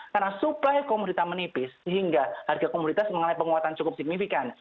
karena supply komoditas menipis sehingga harga komoditas mengenai penguatan cukup signifikan